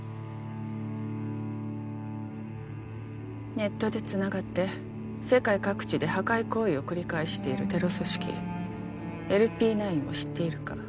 ネットでつながって世界各地で破壊行為を繰り返しているテロ組織ＬＰ９を知っているか？